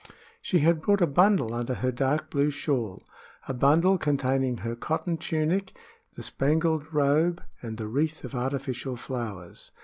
She had brought a bundle under her dark blue shawl, a bundle containing her cotton tunic, the spangled robe and the wreath of artificial flowers.